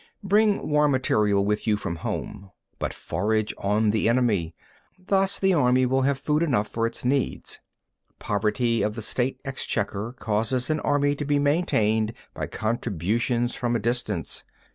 9. Bring war material with you from home, but forage on the enemy. Thus the army will have food enough for its needs. 10. Poverty of the State exchequer causes an army to be maintained by contributions from a distance.